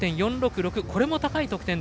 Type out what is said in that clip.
これも高い得点。